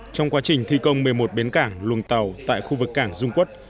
trong quá trình thi công một mươi một bến cảng luồng tàu tại khu vực cảng dung quốc